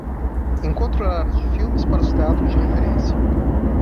Encontre horários de filmes para os teatros de referência.